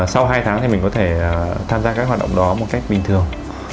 sau hai tháng thì mình có thể tham gia các hoạt động đó một cách bình thường